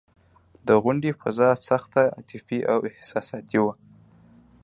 د غونډې فضا سخته عاطفي او احساساتي وه.